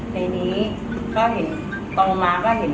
ต้องก็บอกว่าพี่ไม่ยืน